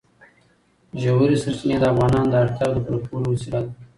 ژورې سرچینې د افغانانو د اړتیاوو د پوره کولو وسیله ده.